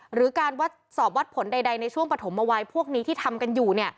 หรือการสอบวัดผลใดในช่วงปฐมเอาไว้พวกนี้ที่ทำกันอยู่